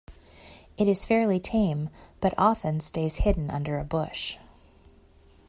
It is fairly tame, but often stays hidden under a bush.